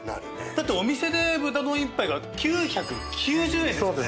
だってお店で豚丼１杯が９９０円ですよね？